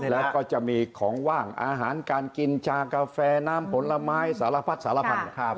แล้วก็จะมีของว่างอาหารการกินชากาแฟน้ำผลไม้สารพัดสารพันธุ์